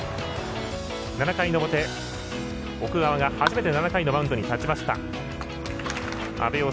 ７回の表、奥川が初めて７回のマウンドに立ちました。